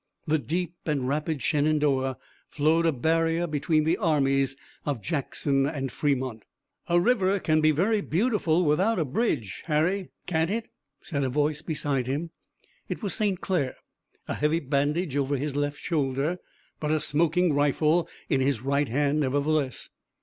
The deep and rapid Shenandoah flowed a barrier between the armies of Jackson and Fremont. "A river can be very beautiful without a bridge, Harry, can't it?" said a voice beside him. It was St. Clair, a heavy bandage over his left shoulder, but a smoking rifle in his right hand, nevertheless.